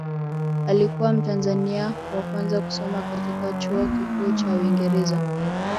Alikuwa mtanzania wa kwanza kusoma katika chuo kikuu cha Uingereza